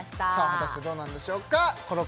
果たしてどうなんでしょうか？